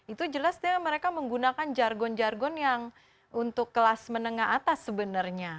itu jelas dia mereka menggunakan jargon jargon yang untuk kelas menengah atas sebenarnya